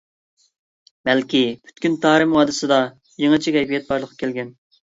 بەلكى پۈتكۈل تارىم ۋادىسىدا يېڭىچە كەيپىيات بارلىققا كەلگەن.